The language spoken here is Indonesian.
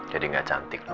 jadi gak cantik lho